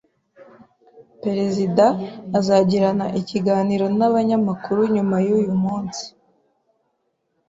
Perezida azagirana ikiganiro n’abanyamakuru nyuma yuyu munsi